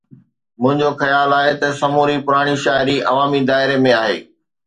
منهنجو خيال آهي ته سموري پراڻي شاعري عوامي دائري ۾ آهي